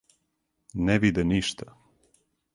Не виде ништа.